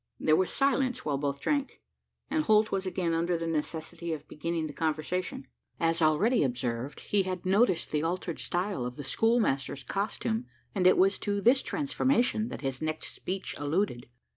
There was silence while both drank; and Holt was again under the necessity of beginning the conversation. As already observed, he had noticed the altered style of the schoolmaster's costume; and it was to this transformation that his next speech alluded.